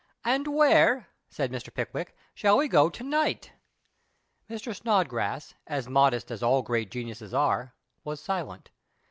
" And where," said Mr. Pickwick, " shall we go to night ?" Mr. Snodgrass, as modest as all great geniuses arc, was silent.